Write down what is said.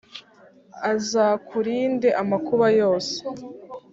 azakurinde amakuba yose.